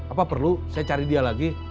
apa perlu saya cari dia lagi